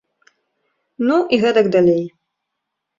Ну, і гэтак далей.